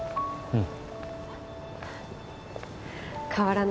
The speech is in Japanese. うん。